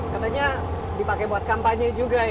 katanya dipakai buat kampanye juga ya